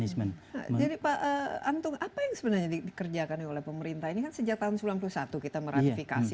jadi pak antung apa yang sebenarnya dikerjakan oleh pemerintah ini kan sejak tahun seribu sembilan ratus sembilan puluh satu kita meratifikasi